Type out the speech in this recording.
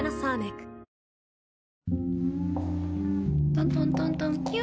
トントントントンキュ。